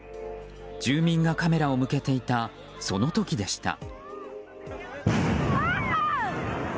住民がカメラを向けていたその時でした。